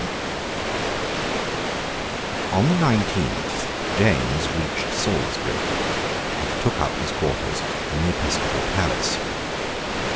On the nineteenth James reached Salisbury, and took up his quarters in the episcopal palace.